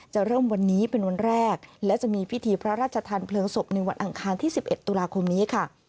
เริ่มวันนี้เป็นวันแรกและจะมีพิธีพระราชทานเพลิงศพในวันอังคารที่๑๑ตุลาคมนี้ค่ะ